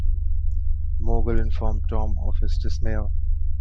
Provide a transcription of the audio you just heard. Mogul informed Tom of his dismissal.